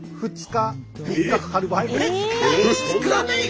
２日。